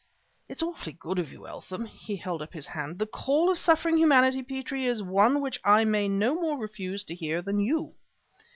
"It's awfully good of you, Eltham " He held up his hand. "The call of suffering humanity, Petrie, is one which I may no more refuse to hear than you."